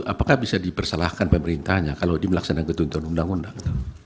apakah bisa dipersalahkan pemerintahnya kalau dia melaksanakan tuntutan undang undang